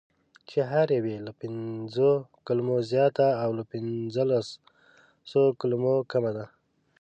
چې هره یوه یې له پنځو کلمو زیاته او له پنځلسو کلمو کمه ده: